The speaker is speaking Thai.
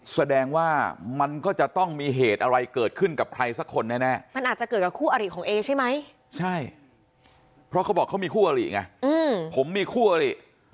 แสดงว่ามันก็จะต้องมีเหตุอะไรเกิดขึ้นกับใครสักคนแน่มันอาจจะเกิดกับคู่อริของเอใช่ไหมใช่เพราะเขาบอกเขามีคู่อริไงผมมีคู่อริ